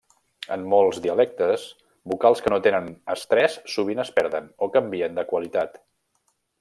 En molts dialectes, vocals que no tenen estrès sovint es perden, o canvien de qualitat.